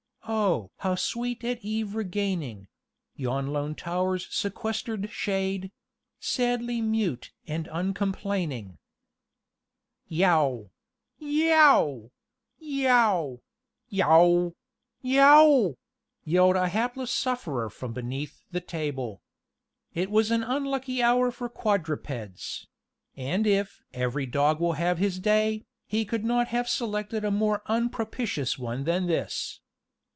Oh! how sweet at eve regaining Yon lone tower's sequester'd shade Sadly mute and uncomplaining "" Yow! yeough! yeough! yow! yow!" yelled a hapless sufferer from beneath the table. It was an unlucky hour for quadrupeds; and if "every dog will have his day," he could not have selected a more unpropitious one than this.